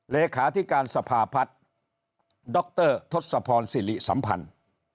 เลขาธิการสภาพัฒน์ดรทศพรสิริสัมพันธ์